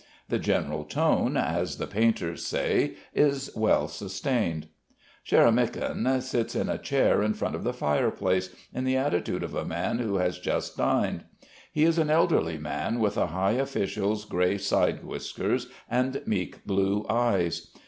The general tone, as the painters say, is well sustained. Sharamykin sits in a chair in front of the fireplace, in the attitude of a man who has just dined. He is an elderly man with a high official's grey side whiskers and meek blue eyes.